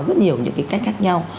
rất nhiều những cái cách khác nhau